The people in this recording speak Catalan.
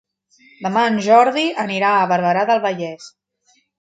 Demà en Jordi anirà a Barberà del Vallès.